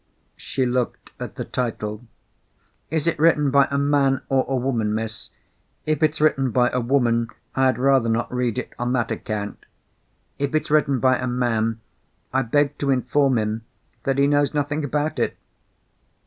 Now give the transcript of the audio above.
She looked at the title. "Is it written by a man or a woman, Miss? If it's written by a woman, I had rather not read it on that account. If it's written by a man, I beg to inform him that he knows nothing about it."